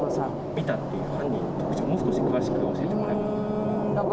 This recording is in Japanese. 見たっていう犯人の特徴、もうちょっと詳しく教えてもらえませんか？